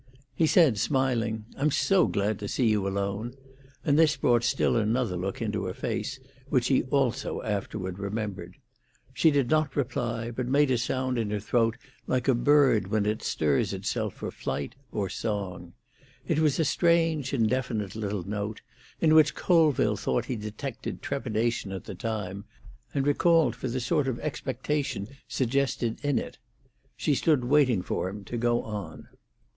He said, smiling, "I'm so glad to see you alone," and this brought still another look into her face, which also he afterward remembered. She did not reply, but made a sound in her throat like a bird when it stirs itself for flight or song. It was a strange, indefinite little note, in which Colville thought he detected trepidation at the time, and recalled for the sort of expectation suggested in it. She stood waiting for him to go on.